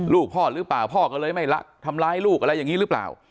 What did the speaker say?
ลูกพ่อหรือเปล่าพ่อก็เลยไม่ทำร้ายลูกอะไรอย่างนี้หรือเปล่า